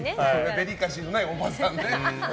デリカシーのないおばさんね。